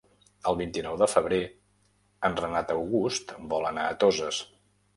El vint-i-nou de febrer en Renat August vol anar a Toses.